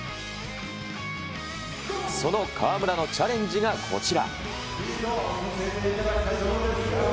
その河村のチャレンジがこちら。